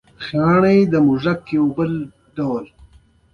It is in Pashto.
ارزش باید ادا شي.